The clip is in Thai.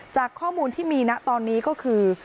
จากข้อมูลที่มีนะตอนนี้ก็คือ